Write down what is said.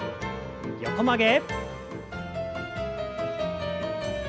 横曲げ。